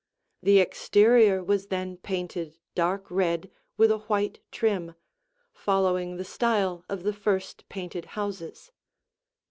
The exterior was then painted dark red with a white trim, following the style of the first painted houses.